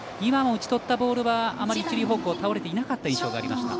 打ち取ったボールはあまり一塁方向に倒れていなかった印象がありました。